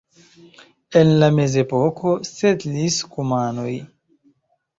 En la mezepoko setlis kumanoj.